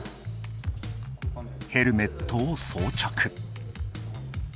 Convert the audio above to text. ヘルメットを装着。